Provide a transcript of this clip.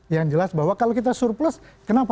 yang jelas bahwa kalau kita surplus kenapa